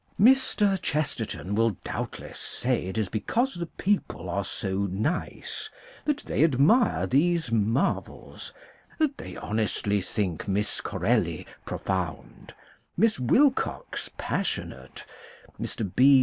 Mr. Chesterton will doubtless say it is because the people are so nice that they admire these marvels: that they honestly think Miss Corelli pro found, Miss Wilcox passionate, Mr. B.